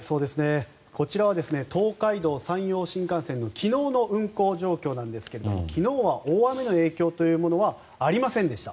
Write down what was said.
こちらは東海道・山陽新幹線の昨日の運行状況なんですが昨日は大雨の影響というものはありませんでした。